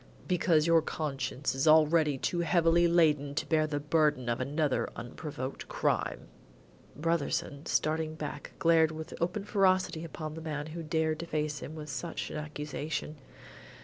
"Because your conscience is already too heavily laden to bear the burden of another unprovoked crime." Brotherson, starting back, glared with open ferocity upon the man who dared to face him with such an accusation.